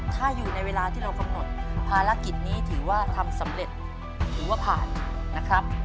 ถ้าอยู่ในเวลาที่เรากำหนดภารกิจนี้ถือว่าทำสำเร็จหรือว่าผ่านนะครับ